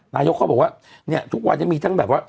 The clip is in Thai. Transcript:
นายกเขาบอกว่าเนี่ยทุกวันนี้มีทั้งแบบว่า